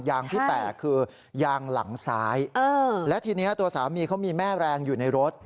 ยางที่แตกคือยางหลังซ้ายและทีนี้ตัวสามีเขามีแม่แรงอยู่ในรถ